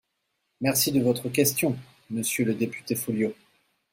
Merci de votre question, monsieur le député Folliot.